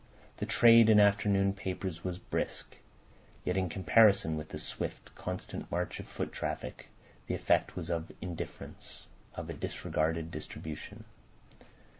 The trade in afternoon papers was brisk, yet, in comparison with the swift, constant march of foot traffic, the effect was of indifference, of a disregarded distribution.